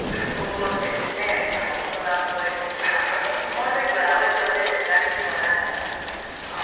この時はお家を出て寂しくはなかったんですか？